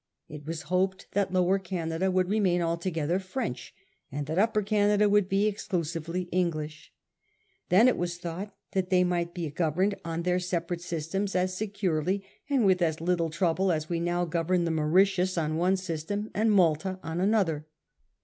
It was hoped that Lower Canada would remain altogether French, and that Upper Canada would be exclusively English. Then it was thought that they might be governed on their sepa rate systems as securely and with as little trouble as we now govern the Mauritius on one system and Malta on another.